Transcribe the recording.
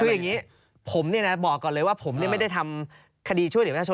เอางี้เนี่ยนะบอกก่อนเลยว่าผมไม่ได้ทำคดีช่วยเหลี่ยวแต่ชน